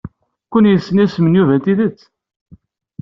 Ken yessen isem n Yuba n tidet?